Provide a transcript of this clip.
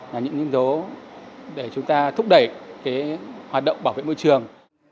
là những nhân tố để chúng ta thúc đẩy hoạt động bảo vệ môi trường